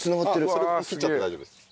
それ切っちゃって大丈夫です。